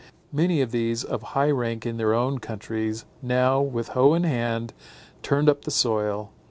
Many of these, of high rank in their own countries, now, with hoe in hand, turned up the soil.